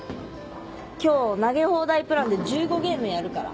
今日投げ放題プランで１５ゲームやるから。